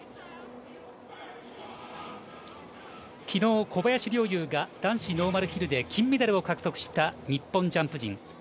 昨日、小林陵侑が男子ノーマルヒルで金メダルを獲得した日本ジャンプ陣。